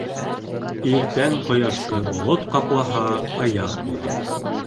Иртән ҡояшты болот ҡаплаһа, аяҙ була.